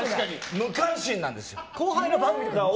無関心なんですよ。